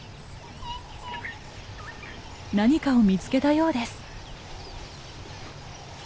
何かを見つけたようです。